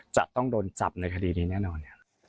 จะต้องโดนจับในคดีนี้แน่นอน